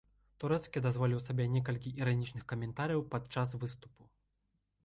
Турэцкі дазволіў сабе некалькі іранічных каментарыяў падчас выступу.